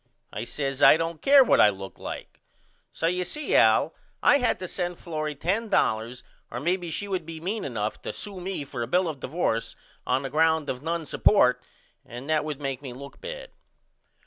I says I don't care what I look like. So you see Al I had to send Florrie $10.00 or maybe she would be mean enough to sew me for a bill of divorce on the ground of none support and that would make me look bad.